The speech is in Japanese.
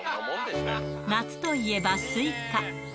夏といえばスイカ。